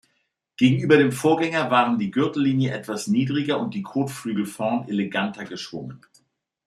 Gegenüber dem Vorgänger waren die Gürtellinie etwas niedriger und die Kotflügel vorn eleganter geschwungen.